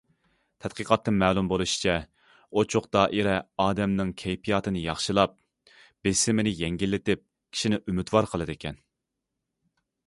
تەتقىقاتتىن مەلۇم بولۇشىچە، ئوچۇق دائىرە ئادەمنىڭ كەيپىياتىنى ياخشىلاپ، بېسىمنى يەڭگىللىتىپ، كىشىنى ئۈمىدۋار قىلىدىكەن.